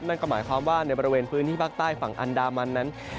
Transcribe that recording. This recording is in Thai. นั่นก็หมายความว่าในบริเวณพื้นที่ภาคใต้ฝั่งอันดามันนั้น